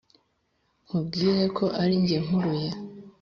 nkubwire ko ari jye mpuruye,